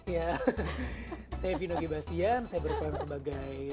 ya saya vino gebastian saya berperan sebagai